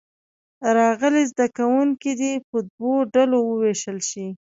راغلي زده کوونکي دې په دوو ډلو ووېشل شي.